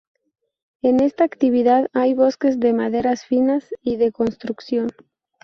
En esta actividad hay bosques de maderas finas y de construcción.